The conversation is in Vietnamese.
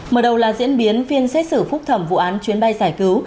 mở đầu là diễn biến phiên xét xử phúc thẩm vụ án chuyến bay giải cứu